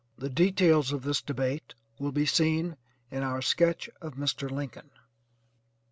The details of this debate will be seen in our sketch of Mr. Lincoln.